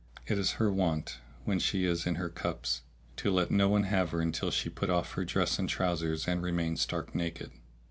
It is her wont, when she is in her cups, to let no one have her until she put off her dress and trousers and remain stark naked.